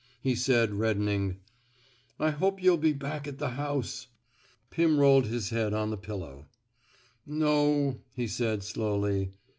He said, reddening: I hope yuh'U be back at the house." Pirn rolled his head on the pillow. No," he said, slowly.